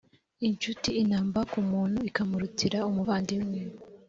incuti inamba ku muntu ikamurutira umuvandimwe